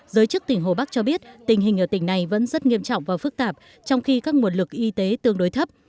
giới chức tỉnh hồ bắc cho biết tình hình ở tỉnh này vẫn rất nghiêm trọng và phức tạp trong khi các nguồn lực y tế tương đối thấp